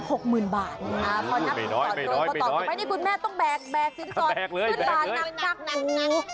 พอนับต่อเลยก็ตอบให้คุณแม่ต้องแบกสินสอดขึ้นมานับสักหนู